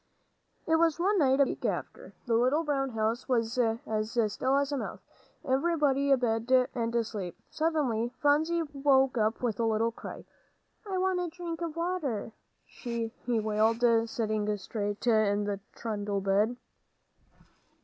It was one night about a week after. The little brown house was as still as a mouse, everybody abed and asleep. Suddenly Phronsie woke up with a fretful little cry. "I want a drink of water," she wailed, sitting straight in the trundle bed.